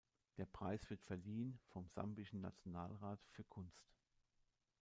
Der Preis wird verliehen vom Sambischen Nationalrat für Kunst.